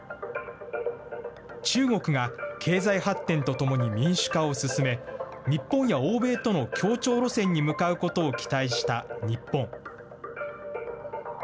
中国が経済発展とともに民主化を進め、日本や欧米との協調路線に向かうことを期待した日本。